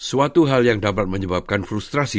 suatu hal yang dapat menyebabkan frustrasi